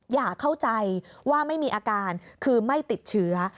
อย่าเข้าใจว่าไม่มีอาการคือไม่ติดเชื้อ